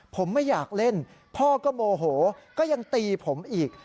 ผมไม่อยากเล่นพ่อก็โมโหก็ยังตีผมอีก